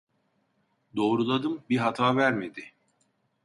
Doğruladım bi hata vermedi